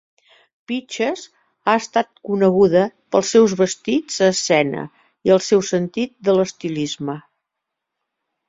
Peaches ha estat coneguda pels seus vestits a escena i el seu sentit de l'estilisme.